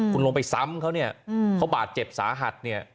คุณลงไปซ้ำเขาเนี่ยเขาบาดเจ็บสาหัสเนี่ย